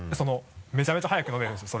めちゃめちゃ早く飲めるんですよ